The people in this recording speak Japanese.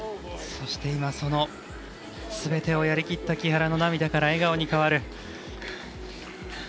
そして、今そのすべてをやりきった木原の涙から笑顔に変わる。